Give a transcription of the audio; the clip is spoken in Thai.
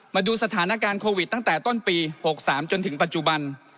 มาดูสถานการณ์โควิดตั้งแต่ต้นปี๖๓จนถึงปัจจุบัน